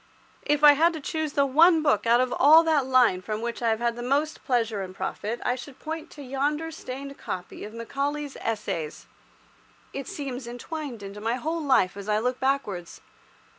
If I had to choose the one book out of all that line from which I have had most pleasure and most profit, I should point to yonder stained copy of Macaulay's "Essays." It seems entwined into my whole life as I look backwards.